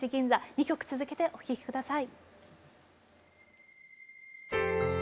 ２曲続けてお聴き下さい。